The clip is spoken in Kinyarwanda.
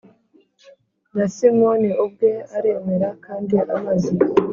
Na Simoni ubwe aremera kandi amaze